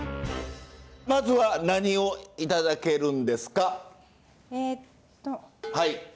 まずは何を頂けるんですか？